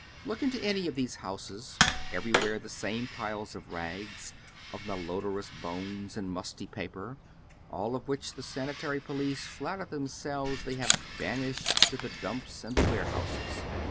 Look into any of these houses, everywhere the same piles of rags, of malodorous bones and musty paper, all of which the sanitary police flatter themselves they have banished to the dumps and the warehouses.